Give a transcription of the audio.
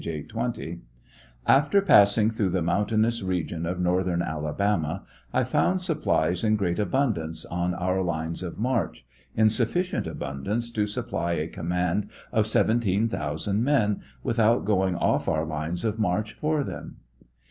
820:) After passing throngh the mountainous region of northern Alabama, I found supplies in great abundance on our lines of march: in sufficient abundance to supply a command of 17,000 men, without going off our lines of march for them.